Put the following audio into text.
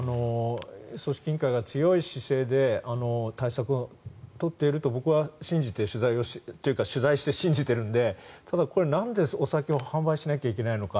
組織委員会が強い姿勢で対策を取っていると僕は信じて取材してというか取材して信じてるのでただ、これ、なんでお酒を販売しなきゃいけないのか。